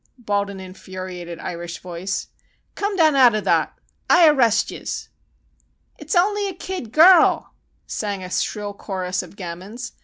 bawled an infuriated Irish voice. "Come down out ov thot. I arr rest yez!" "It's only a kid girl," sang a shrill chorus of gamins.